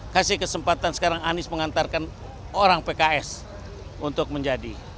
kasih kesempatan sekarang anies mengantarkan orang pks untuk menjadi